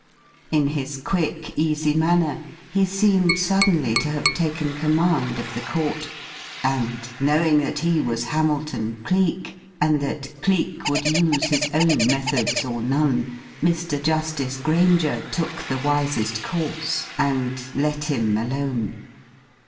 In his quick, easy manner he seemed suddenly to have taken command of the court. And, knowing that he was Hamilton Cleek, and that Cleek would use his own methods, or none, Mr. Justice Grainger took the wisest course, and let him alone.